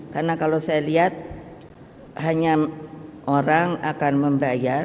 karena kalau saya lihat hanya orang akan membayar